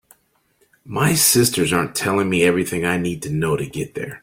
My sisters aren’t telling me everything I need to know to get there.